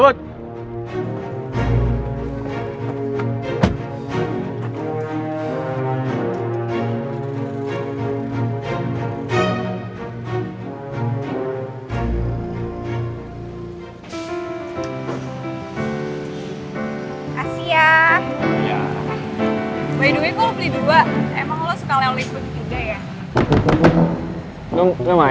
baiklah aku beli dua emang lo suka laliput juga ya